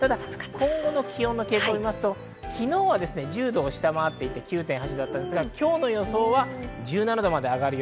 今後の気温の傾向を見ますと昨日は１０度を下回っていて９．８度だったんですが、今日の予想は１７度。